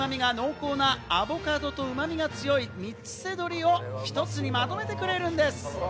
チーズのコクとうま味が濃厚なアボカドとうま味が強い、みつせ鶏を１つにまとめてくれるんです。